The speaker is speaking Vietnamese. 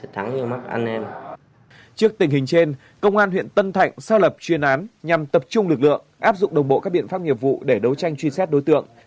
trước tình hình trên công an huyện tân thạnh xác lập chuyên án nhằm tập trung lực lượng áp dụng đồng bộ các biện pháp nghiệp vụ để đấu tranh truy xét đối tượng